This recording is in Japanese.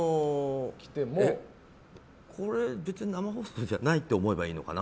これ別に生放送じゃないと思えばいいのかな？